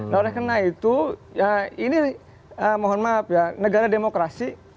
nah udah kena itu ya ini mohon mahal ya negara demokrasi